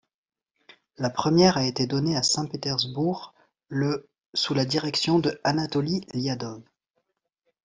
La première a été donnée à Saint-Pétersbourg le sous la direction de Anatoli Liadov.